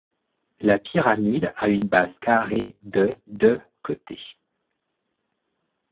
La pyramide a une base carrée de de côté.